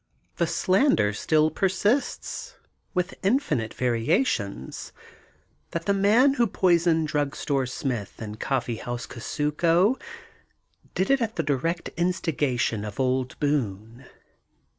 The slander still persists, with infinite vari ationsy that the man who poisoned Drug Store Smith and Coffee House Kusuko did it at the direct instigation of old Boone.